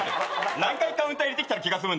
何回カウンター入れてきたら気が済むんですか。